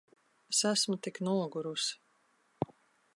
Es esmu tik nogurusi.